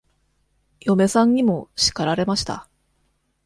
嫁さんにも叱られました。